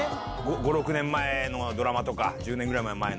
５６年前のドラマとか１０年ぐらい前の。